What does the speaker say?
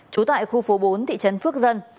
trú tại khu phố bốn thị trấn phước dân